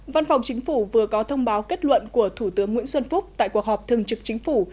văn phòng chính phủ vừa có thông báo kết luận của thủ tướng nguyễn xuân phúc tại cuộc họp thường trực chính phủ